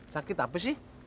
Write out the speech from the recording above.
sakit apa sih